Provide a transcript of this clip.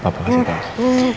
papa kasih tau papa kasih tau